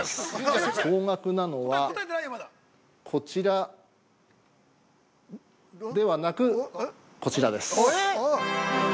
高額なのは、こちらではなく、こちらです。